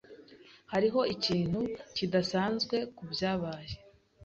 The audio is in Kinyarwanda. Hariho ikintu kidasanzwe kubyabaye.